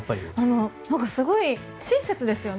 すごい親切ですよね